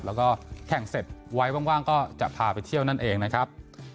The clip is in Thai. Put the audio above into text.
แล้วก็แข่งเสร็จไว้ว่างก็จะพาไปเที่ยวนั่นเองนะครับ